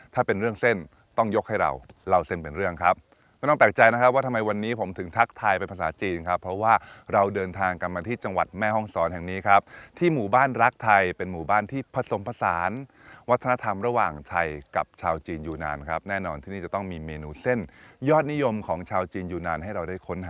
ถ้าเป็นเรื่องเส้นต้องยกให้เราเล่าเส้นเป็นเรื่องครับไม่ต้องแปลกใจนะครับว่าทำไมวันนี้ผมถึงทักทายเป็นภาษาจีนครับเพราะว่าเราเดินทางกลับมาที่จังหวัดแม่ห้องศรแห่งนี้ครับที่หมู่บ้านรักไทยเป็นหมู่บ้านที่ผสมผสานวัฒนธรรมระหว่างไทยกับชาวจีนอยู่นานครับแน่นอนที่นี่จะต้องมีเมนูเส้นยอดนิยมของชาวจีนอยู่นานให้เราได้ค้นหา